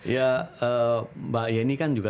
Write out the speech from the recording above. ya mbak yeni kan juga